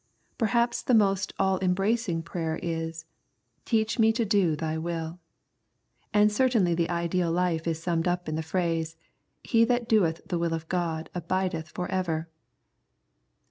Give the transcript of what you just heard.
Perhaps the most all embracing prayer is :" Teach me to do Thy will "; and certainly the ideal life is summed up in the phrase, " He that doeth the will of God abideth for ever."